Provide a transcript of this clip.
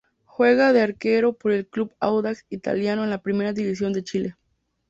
Juega de Arquero por el club Audax Italiano de la Primera División de Chile.